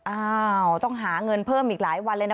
อ้าวต้องหาเงินเพิ่มอีกหลายวันเลยนะ